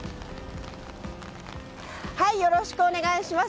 よろしくお願いします。